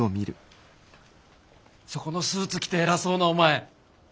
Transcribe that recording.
そこのスーツ着て偉そうなお前。